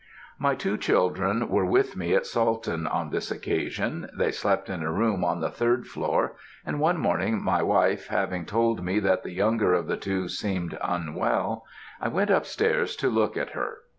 "My two children were with me at Salton on this occasion. They slept in a room on the third floor, and one morning, my wife having told me that the younger of the two seemed unwell, I went up stairs to look at her.